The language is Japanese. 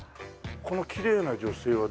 このきれいな女性は誰。